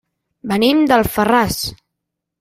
Venim d'Alfarràs.